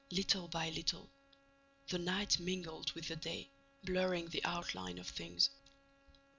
Little by little, the night mingled with the day, blurring the outline of things.